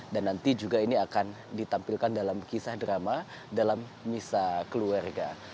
dan nanti juga ini akan ditampilkan dalam kisah drama dalam misah keluarga